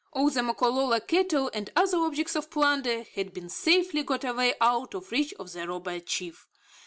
All the Makololo cattle and other objects of plunder had been safely got away out of reach of the robber chief.